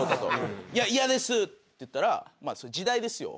「いや嫌です！」って言ったらまあ時代ですよ。